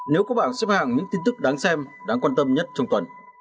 nếu các bạn xếp hàng những tin tức đáng xem đáng quan tâm nhất trong tuần